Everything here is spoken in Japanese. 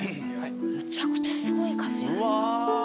むちゃくちゃすごい数じゃないですか。